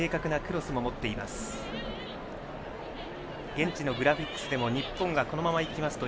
現地のグラフィックスでも日本がこのままいきますと